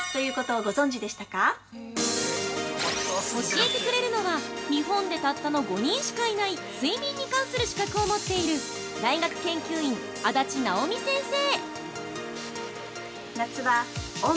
◆教えてくれるのは日本でたったの５人しかいない睡眠に関する資格を持っている大学研究員・安達直美先生。